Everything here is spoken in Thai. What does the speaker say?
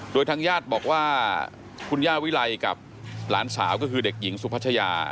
โดยทางญาติบอกว่าคุณย่าวิไลกับหลานสาวก็คือเด็กหญิงสุพัชยา